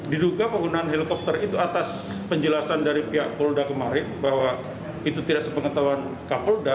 diduga penggunaan helikopter itu atas penjelasan dari pihak polda kemarin bahwa itu tidak sepengetahuan kapolda